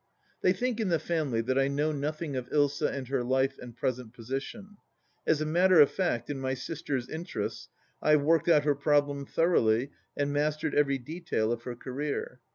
They think in the family that I know nothing of Ilsa and her life and present position. As a matter of fact, in my sister's interests, I have worked out her problem thor oughly and mastered every detail of her career.